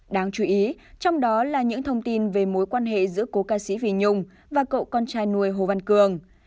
đáng chú ý trong đó là những thông tin về mối quan hệ giữa cô ca sĩ phi nhung và cậu con trai nuôi hồ văn cương